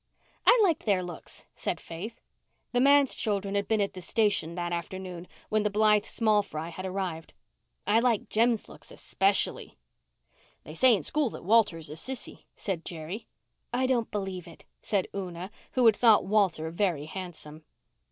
"I liked their looks," said Faith. The manse children had been at the station that afternoon when the Blythe small fry had arrived. "I liked Jem's looks especially." "They say in school that Walter's a sissy," said Jerry. "I don't believe it," said Una, who had thought Walter very handsome.